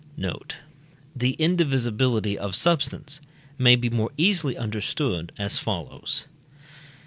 Note. The indivisibility of substance may be more easily understood as follows.